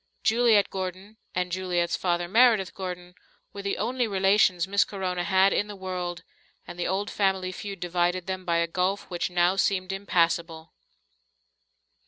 Juliet Gordon and Juliet's father, Meredith Gordon, were the only relations Miss Corona had in the world, and the old family feud divided them by a gulf which now seemed impassable.